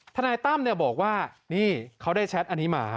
ทนายตั้มบอกว่านี่เขาได้แชทอันนี้มา